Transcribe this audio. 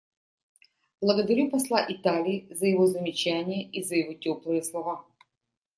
Благодарю посла Италии за его замечания и за его теплые слова.